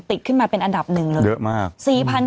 ติดขึ้นมาเป็นอันดับหนึ่งเลยเยอะมาก